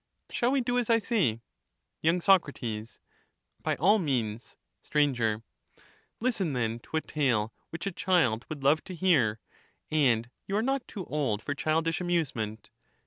Shall we do as I say ? y. Soc, By all means. Sir, Listen, then, to a tale which a child would love to hear; and you are not too old for childish amusement.